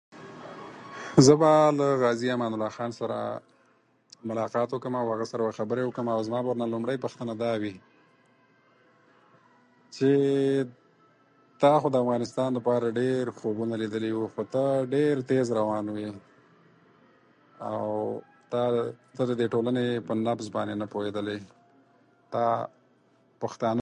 زه به له غازي امان الله خان سره ملاقت وکړم او هغه سره به خبرې وکړمه او زما به ورنه لومړۍ پوښتنه دا وي چې تا خو د افغانستان لپاره ډېر خوبونه ليدلي وو خو ته ډېر تېز روان وې او ته، ته د دې ټولنې په نبض باندې نه پوهېدلې تا پښتانه